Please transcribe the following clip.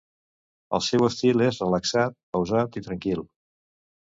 El seu estil és relaxat, pausat i tranquil.